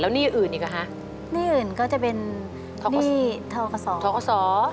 หนี้เทาออกกดสอ